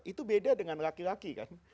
itu beda dengan laki laki kan